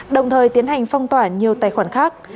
đồng thời tiến hành phong tỏa nhiều tài khoản khác